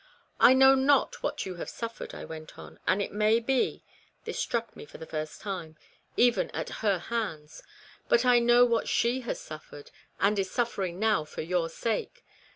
" I know not what you have suffered," I went on, " and it may be " (this struck me for the first time) " even at her hands ; but I know what she has suffered, and is suffering now for your sake.